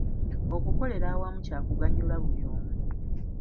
Okukolera awamu kya kuganyula buli omu.